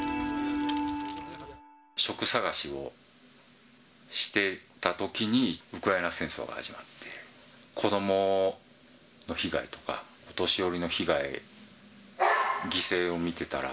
職探しをしていたときに、ウクライナ戦争が始まって、子どもの被害とか、お年寄りの被害、犠牲を見てたら、